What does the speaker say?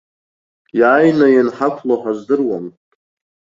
Иааины ианҳақәло ҳаздыруам.